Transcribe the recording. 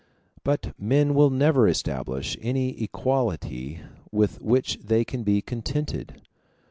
But men will never establish any equality with which they can be contented.